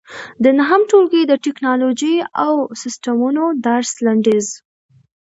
د نهم ټولګي د ټېکنالوجۍ او سیسټمونو درس لنډیز